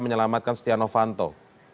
menyelamatkan setia novanto